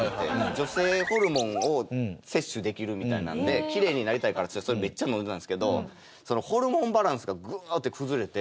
女性ホルモンを摂取できるみたいなのでキレイになりたいからっつってそれめっちゃ飲んでたんですけどホルモンバランスがグッて崩れて。